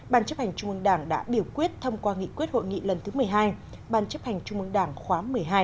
ban chấp hành trung ương đảng đã biểu quyết thông qua nghị quyết hội nghị lần thứ một mươi hai ban chấp hành trung mương đảng khóa một mươi hai